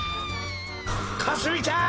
かすみちゃん！